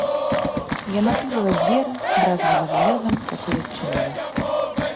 Яна тузала дзверы, бразгала жалезам, пакуль адчыніла.